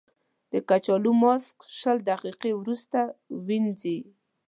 د کچالو ماسک شل دقیقې وروسته ووينځئ.